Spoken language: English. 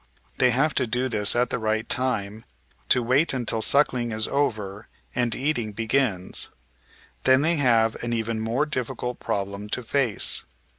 They have to do this at the right time — to wait until suckling is over and eating begins. Then they have an even more difficult problem to face.